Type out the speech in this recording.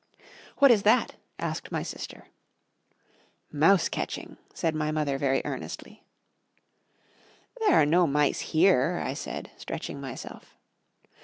"What is that?" asked my sister. "Mouse catching," said my mother very earnestly. "There are no mice here," I said, stretching myself.